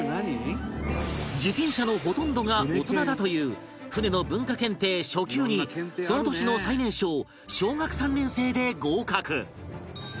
受験者のほとんどが大人だという船の文化検定初級にその年の最年少小学３年生で合格